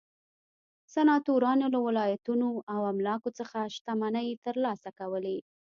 سناتورانو له ولایتونو او املاکو څخه شتمنۍ ترلاسه کولې.